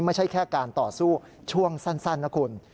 ไม่ใช่แค่การต่อสู้ช่วงสั้นนะคุณ